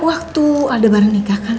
waktu aldebaran nikah kan